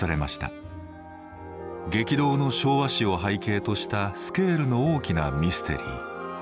激動の昭和史を背景としたスケールの大きなミステリー。